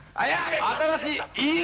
新しい！